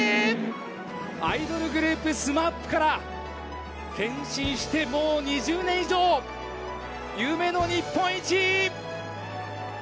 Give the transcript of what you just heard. アイドルグループ・「ＳＭＡＰ」から転身してもう２０年以上夢の日本一！